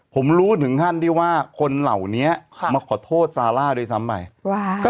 ผมรู้ถึงขั้นที่ว่าคนเหล่านี้มาขอโทษซาร่าด้วยซ้ำไป